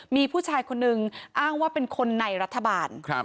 มีผู้ชายคนนึงอ้างว่าเป็นคนในรัฐบาล